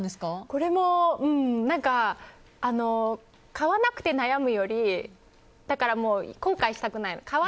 これも、買わなくて悩むより後悔したくないの。